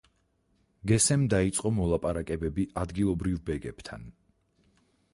გესემ დაიწყო მოლაპარაკებები ადგილობრივ ბეგებთან.